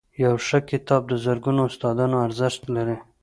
• یو ښه کتاب د زرګونو استادانو ارزښت لري.